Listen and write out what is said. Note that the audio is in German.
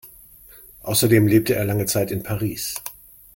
Außerdem lebte er lange Zeit in Paris.